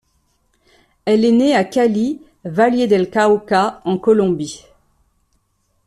Elle est née à Cali, Valle del Cauca, en Colombie.